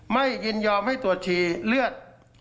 ยินยอมให้ตรวจฉี่เลือด